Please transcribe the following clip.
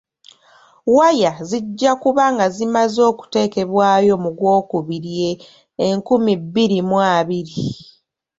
Waya zijja kuba nga zimaze okuteekebwayo mu gwokubiri enkumi bbiri mu abairi.